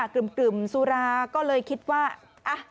กลึ่มสุราก็เลยคิดว่า